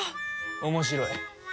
面白い。